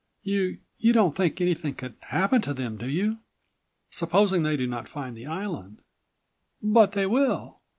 You—you don't think anything could happen to them, do you?" "Supposing they do not find the island?" "But they will."